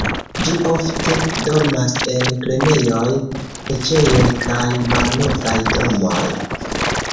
Ĝi ofte dormas en grenejoj, preĝejoj kaj malnovaj domoj.